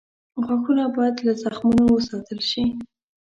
غاښونه باید له زخمونو وساتل شي.